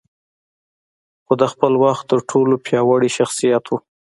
خو د خپل وخت تر ټولو پياوړی شخصيت و.